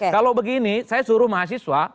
kalau begini saya suruh mahasiswa